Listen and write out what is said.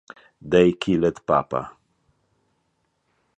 They killed Papa!".